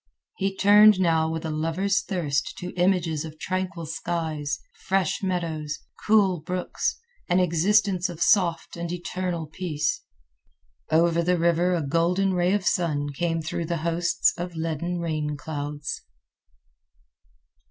He turned now with a lover's thirst to images of tranquil skies, fresh meadows, cool brooks—an existence of soft and eternal peace. Over the river a golden ray of sun came through the hosts of leaden rain clouds.